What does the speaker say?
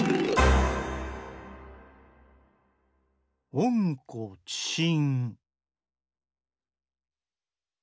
「おんこちしん」。